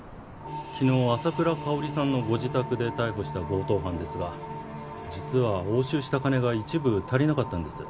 昨日朝倉香さんのご自宅で逮捕した強盗犯ですが実は押収した金が一部足りなかったんです。